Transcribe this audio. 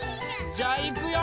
じゃあいくよ。